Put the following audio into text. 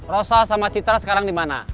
rosa sama citra sekarang dimana